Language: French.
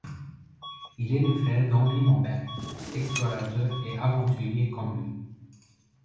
Il est le frère d'Henri Lambert, explorateur et aventurier comme lui.